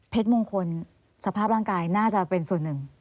มงคลสภาพร่างกายน่าจะเป็นส่วนหนึ่ง